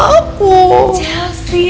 kamu itu hampir menghilangkan nyawa istrinya